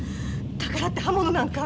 だからって刃物なんか。